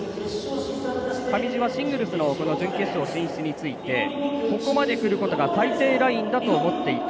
上地はシングルスの準決勝進出についてここまでくることが最低ラインだと思っていた。